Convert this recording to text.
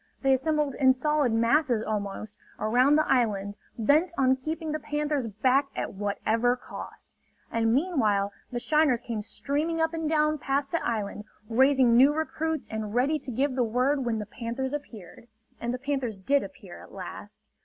They assembled in solid masses, almost, around the island, bent on keeping the panthers back at whatever cost. And meanwhile the shiners came streaming up and down past the island, raising new recruits and ready to give the word when the panthers appeared. And the panthers did appear, at last.